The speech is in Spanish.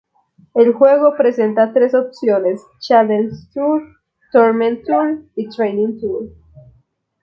El juego presenta tres opciones: "Challenge Tour", "Tournament Tour", y "Training Tour".